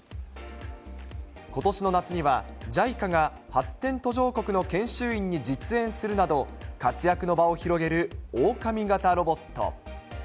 ことしの夏には、ＪＩＣＡが発展途上国の研修員に実演するなど、活躍の場を広げるオオカミ型ロボット。